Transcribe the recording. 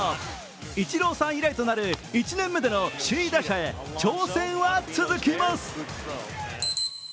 イチローさん以来となる１年目での首位打者へ挑戦は続きます。